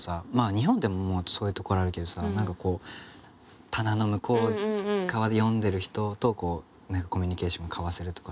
日本でももうそういう所あるけどさ何かこう棚の向こう側で読んでる人とコミュニケーション交わせるとかさ